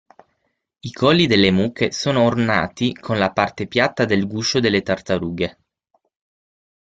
I colli delle mucche sono ornati con la parte piatta del guscio delle tartarughe.